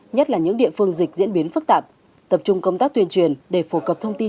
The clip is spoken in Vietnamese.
nhất là những địa phương dịch diễn biến phức tạp tập trung công tác tuyên truyền để phổ cập thông tin